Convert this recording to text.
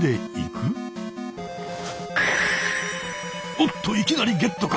おっといきなりゲットか！？